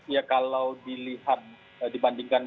ya kalau dilihat dibandingkan